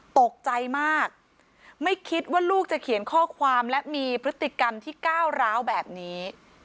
ตกใจมากไม่คิดว่าลูกจะเขียนข้อความและมีพฤติกรรมที่ก้าวร้าวแบบนี้